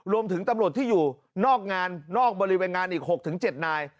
ตำรวจที่อยู่นอกงานนอกบริเวณงานอีก๖๗นาย